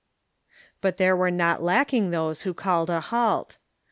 But there Avere not lacking those Avho called a halt.